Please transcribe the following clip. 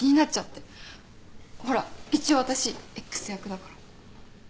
ほら一応私Ｘ役だから。